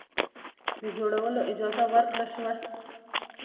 د جوړولو اجازه ورکړه شوه.